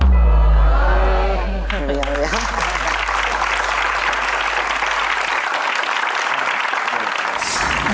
พิษนะครับ